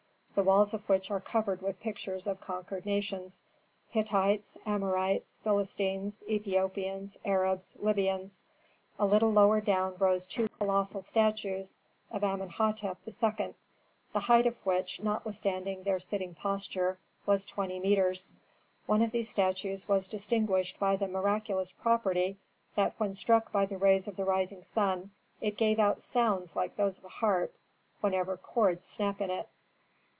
the walls of which are covered with pictures of conquered nations: Hittites, Amorites, Philistines, Ethiopians, Arabs, Libyans. A little lower down rose two colossal statues of Amenhôtep II., the height of which, notwithstanding their sitting posture, was twenty metres. One of these statues was distinguished by the miraculous property that when struck by the rays of the rising sun it gave out sounds like those of a harp whenever chords snap in it.